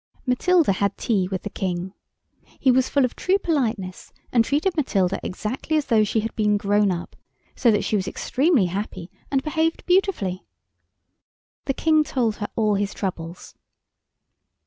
Matilda had tea with the King. He was full of true politeness and treated Matilda exactly as though she had been grown up—so that she was extremely happy and behaved beautifully. The King told her all his troubles.